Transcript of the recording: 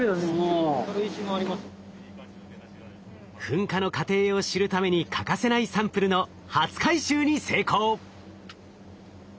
噴火の過程を知るために欠かせないサンプルの初回収に成功。